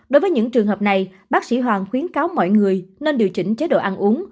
đối với những trường hợp này bác sĩ hoàng khuyến cáo mọi người nên điều chỉnh chế độ ăn uống